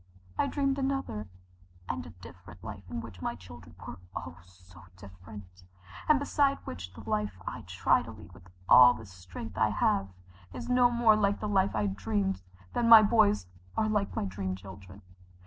I dreamed another and a different life in which my children were oh, so different, and beside which the life I try to lead with all the strength I have is no more like the life I dreamed than my boys are like my dream children.